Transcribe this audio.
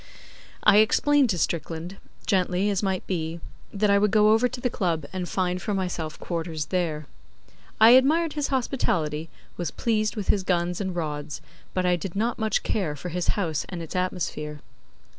I explained to Strickland, gently as might be, that I would go over to the Club and find for myself quarters there. I admired his hospitality, was pleased with his guns and rods, but I did not much care for his house and its atmosphere.